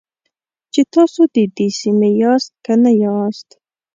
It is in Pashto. چې تاسو د دې سیمې یاست که نه یاست.